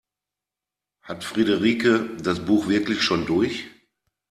Hat Friederike das Buch wirklich schon durch?